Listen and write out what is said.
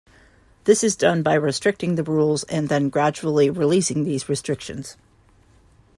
This is done by restricting the rules and then gradually releasing these restrictions.